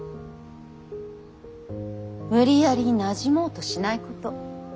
無理やりなじもうとしないこと。